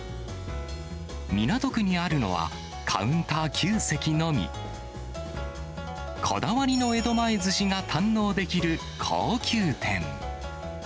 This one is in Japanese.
港区にあるのは、カウンター９席のみ、こだわりの江戸前ずしが堪能できる高級店。